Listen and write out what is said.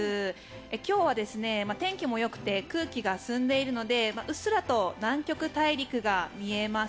今日は天気もよくて空気が澄んでいるのでうっすらと南極大陸が見えます。